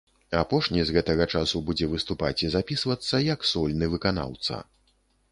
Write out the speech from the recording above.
Апошні з гэтага часу будзе выступаць і запісвацца як сольны выканаўца.